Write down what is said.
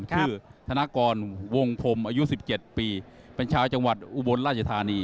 ธนกรวงพรมอายุ๑๗ปีเป็นชาวจังหวัดอุบลราชธานี